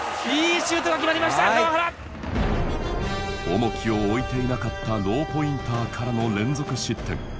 重きを置いていなかったローポインターからの連続失点。